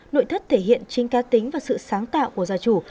nội thất thể hiện chính cá tính và sự sáng tạo của gia chủ